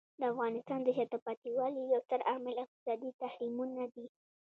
د افغانستان د شاته پاتې والي یو ستر عامل اقتصادي تحریمونه دي.